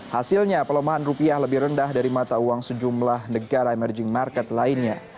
hasilnya pelemahan rupiah lebih rendah dari mata uang sejumlah negara emerging market lainnya